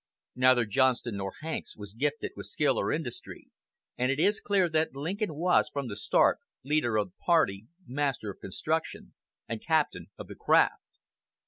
Neither Johnston nor Hanks was gifted with skill or industry, and it is clear that Lincoln was, from the start, leader of the party, master of construction, and captain of the craft.